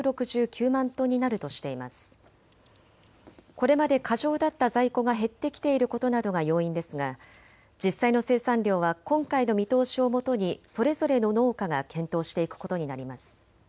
これまで過剰だった在庫が減ってきていることなどが要因ですが実際の生産量は今回の見通しをもとにそれぞれの農家が検討していくことになります。